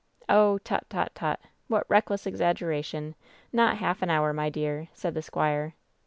"Oh 1 tut, tut, tut ! What reckless exaggeration 1 Not half an hour, my dear," said the squire.